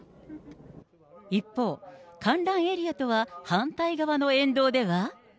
一方、観覧エリアとは反対側の沿道では。